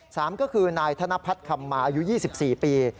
สามก็คือนายธนพัฒน์คำมาอายุ๒๔ปี